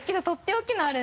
とっておきの？